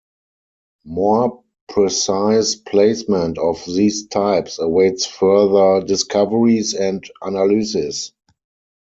More precise placement of these types awaits further discoveries and analysis.